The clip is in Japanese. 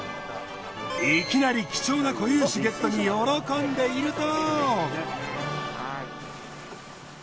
いきなり貴重な固有種ゲットに喜んでいると。